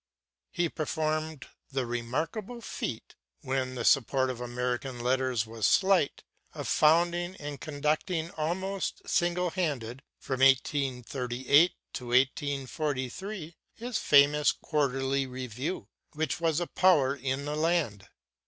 He performed the remarkable feat, when the support of American letters was slight, of founding and conducting almost single handed, from 1838 to 1843, his famous Quarterly Review, which was a power in the land.